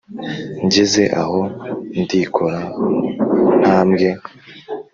ngeze aho ndikora mu ntambwe,